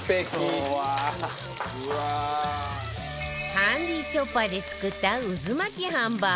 ハンディーチョッパーで作った渦巻きハンバーグ